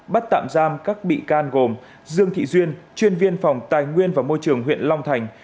bắt tạm giam các bị can gồm dương thị duyên chuyên viên phòng tài nguyên và môi trường huyện long thành